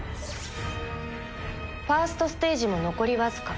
ファーストステージも残りわずか。